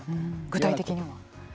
具体的には？